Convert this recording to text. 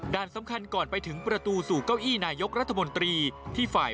สำคัญก่อนไปถึงประตูสู่เก้าอี้นายกรัฐมนตรีที่ฝ่าย